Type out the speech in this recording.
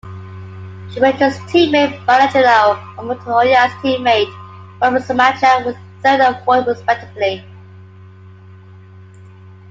Schumacher's teammate, Barrichello and Montoya's teammate, Ralf Schumacher, were third and fourth respectively.